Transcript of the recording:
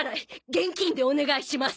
現金でお願いします。